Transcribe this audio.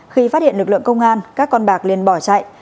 khi phát hiện lực lượng công an các con bạc liền bỏ chạy